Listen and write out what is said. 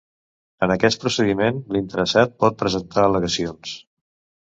En aquest procediment, l'interessat pot presentar al·legacions.